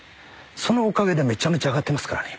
そのおかげでめちゃめちゃ上がってますからね